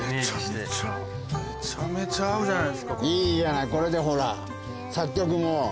いいじゃないこれでほら作曲も。